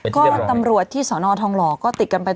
ก็ตำรวจที่สอนอทองหล่อก็ติดกันไป